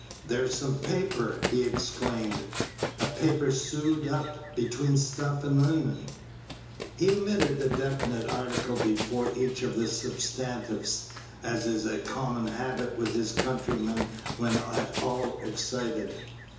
"There's some paper," he exclaimed. "A paper sewed up between stuff and linin'." He omitted the definite article before each of the substantives, as is a common habit with his countrymen when at all excited.